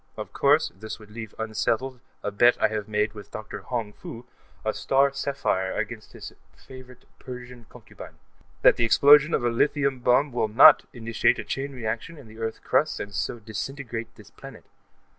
Of course, that would leave unsettled a bet I have made with Dr. Hong Foo a star sapphire against his favorite Persian concubine that the explosion of a lithium bomb will not initiate a chain reaction in the Earth's crust and so disintegrate this planet.